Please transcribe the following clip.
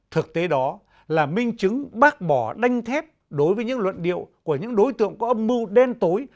thực tế đó là minh chứng bác bỏ đanh thép đối với những luận điệu của những đối tượng có âm mưu đen tối